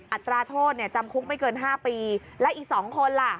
อัตราโทษเนี่ยจำคุกไม่เกิน๕ปีและอีก๒คนล่ะ